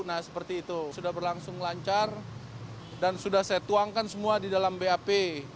nah seperti itu sudah berlangsung lancar dan sudah saya tuangkan semua di dalam bap